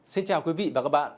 xin chào quý vị và các bạn